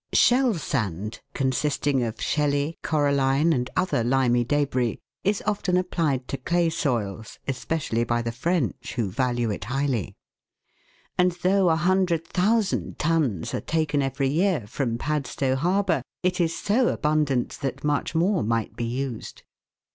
" Shell sand " (consisting of shelly, coralline, and other limy debris) is often applied to clay soils, especially tjy the French, who value it highly; and though 100,000 tons are taken every year from Padstow Harbour, it is so abundant that much more might be used.